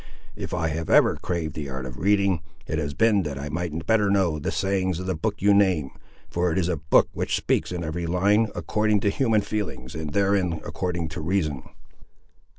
If I have ever craved the art of reading, it has been that I might better know the sayings of the book you name, for it is a book which speaks, in every line, according to human feelings, and therein according to reason."